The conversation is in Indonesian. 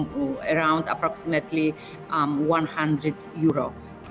keluarga diberikan sekitar seratus euro